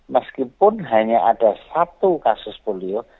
meskipun hanya ada satu kasus polio